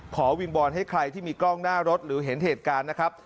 วิงบอลให้ใครที่มีกล้องหน้ารถหรือเห็นเหตุการณ์นะครับ